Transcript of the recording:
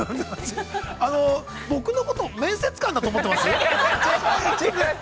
◆あの僕のこと面接官だと思ってます？